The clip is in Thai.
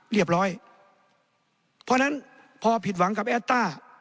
เรียบร้อยเพราะฉะนั้นพอผิดหวังกับแอดต้า